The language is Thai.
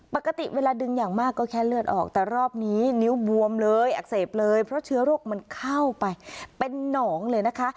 ปกติเวลาดึงอย่างมากก็แค่เลือดออกแต่รอบนี้นิ้วบวมเลยอักเสบเลยเพราะเชื้อโรคมันเข้าไปเป็นหนองเลยนะคะ